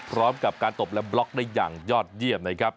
พร้อมกับการตบและบล็อกได้อย่างยอดเยี่ยมนะครับ